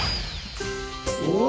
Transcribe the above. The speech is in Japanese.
うわ！